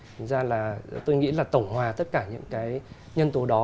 thành ra là tôi nghĩ là tổng hòa tất cả những cái nhân tố đó